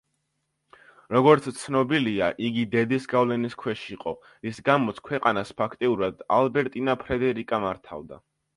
როგორც ცნობილია, იგი დედის გავლენის ქვეშ იყო, რის გამოც ქვეყანას ფაქტიურად ალბერტინა ფრედერიკა მართავდა.